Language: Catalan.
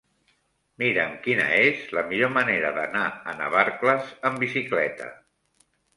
Mira'm quina és la millor manera d'anar a Navarcles amb bicicleta.